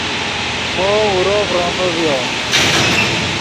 مو اورو ڤرومے ڤیو